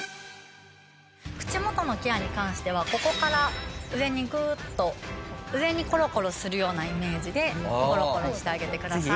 口元のケアに関してはここから上にグーッと上にコロコロするようなイメージでコロコロしてあげてください。